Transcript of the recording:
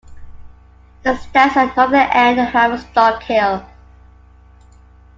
It stands at the northern end of Haverstock Hill.